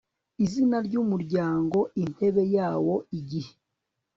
IZINA RY UMURYANGO INTEBE YAWO IGIHE